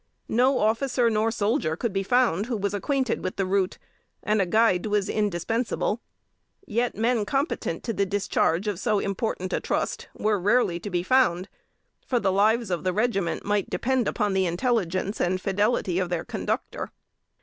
No officer nor soldier could be found who was acquainted with the route, and a guide was indispensable: yet men competent to the discharge of so important a trust were rarely to be found, for the lives of the regiment might depend upon the intelligence and fidelity of their conductor.